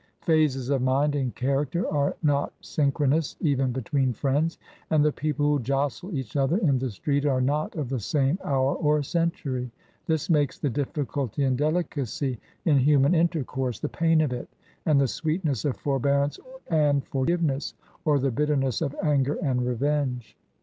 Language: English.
Phases of mind and character are not synchronous even between friends ; and the people who jostle each other in the street are not of the same hour or century. This makes the difficulty and delicacy in human intercourse, the pain of it, and the sweetness of forbearance and for giveness or the bitterness of anger and revenge.